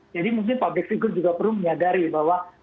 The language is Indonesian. jadi mungkin public figure juga perlu menyadari bahwa